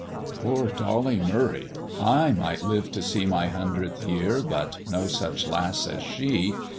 "Poor Dolly Murray! I might live to see My hundredth year, but no such lass as she.